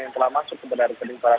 yang telah masuk ke daripada